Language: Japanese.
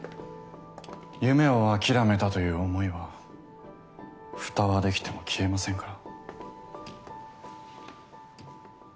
夢を諦めたという思いは蓋はできても消えませんから。